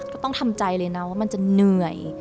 ก็ต้องทำใจเลยนะว่ามันจะเหนื่อย